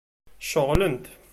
Ceɣlent.